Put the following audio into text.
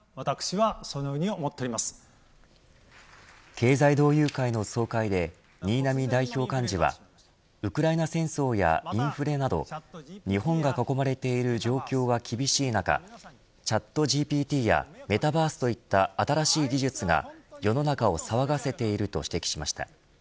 経済同友会の総会で新浪代表幹事はウクライナ戦争やインフレなど日本が囲まれている状況は厳しい中チャットＧＰＴやメタバースといった新しい技術が世の中を騒がせていると指摘しました。